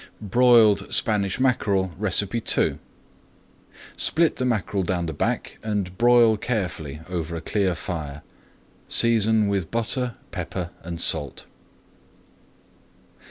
BROILED SPANISH MACKEREL II Split the mackerel down the back and broil carefully over a clear fire. Season with butter, pepper, and salt.